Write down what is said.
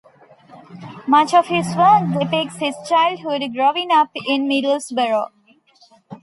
Much of his work depicts his childhood growing up in Middlesbrough.